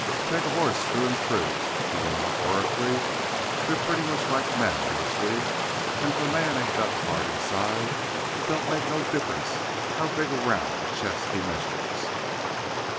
Take a hoss through and through," he went on oracularly, "they're pretty much like men, mostly, and if a man ain't got the heart inside, it don't make no difference how big around the chest he measures."